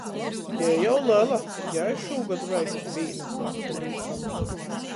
Jei jau lela, jai šūgod vajag iz vīna placa līkamu.